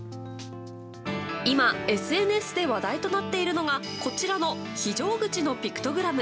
今ＳＮＳで話題となっているのがこちらの非常口のピクトグラム。